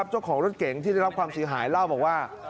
เจ้าของรถเก๋งที่ได้รับความเสียหายเล่าบอกว่า